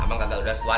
abang kagak udah seluas